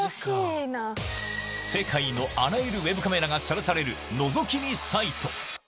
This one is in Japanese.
世界のあらゆるウェブカメラがさらされるのぞき見サイト。